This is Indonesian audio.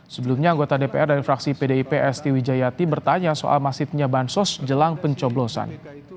sebelumnya anggota dpr dari fraksi pdip esti wijayati bertanya soal masifnya bansos jelang pencoblosan